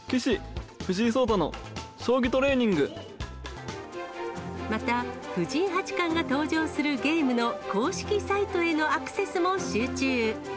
棋士、また藤井八冠が登場するゲームの公式サイトへのアクセスも集中。